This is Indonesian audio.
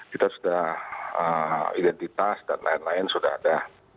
kita sudah identitas dan lain lain sudah ada